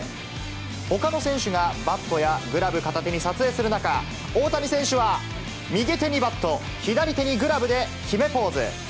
ほかの選手がバットやグラブ片手に撮影する中、大谷選手は、右手にバット、左手にグラブで決めポーズ。